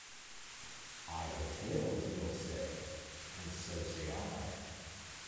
Idle tales, you’ll say, and so say I.